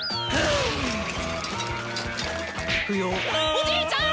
おじいちゃん！